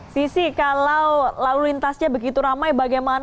sisi kalau lalu lintasnya begitu ramai bagaimana